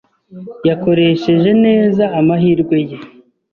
Yakoresheje neza amahirwe ye.